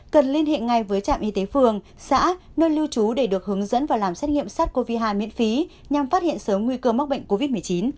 cần liên hệ ngay với trạm y tế phường xã nơi lưu trú để được hướng dẫn và làm xét nghiệm sát covid một mươi chín miễn phí nhằm phát hiện sớm nguy cơ mắc bệnh covid một mươi chín